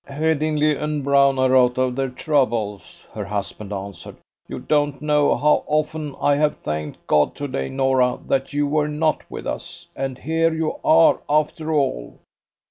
"Headingly and Brown are out of their troubles," her husband answered. "You don't know how often I have thanked God to day, Norah, that you were not with us. And here you are, after all."